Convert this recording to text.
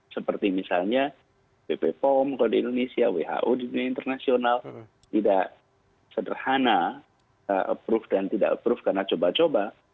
seperti misalnya bp pom kalau di indonesia who di dunia internasional tidak sederhana approve dan tidak approve karena coba coba